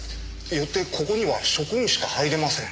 よってここには職員しか入れません。